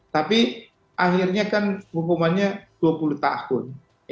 tapi akhirnya kan hukumannya dua puluh tahun